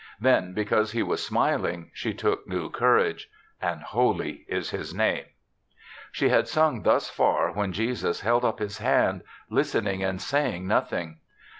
Then, because he was smiling, she took new courage, *^ and holy is his name." She had sung thus far when Jesus held up his hand, listening and say ing nothing.